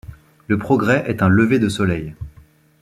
Le progrès est un lever de soleil.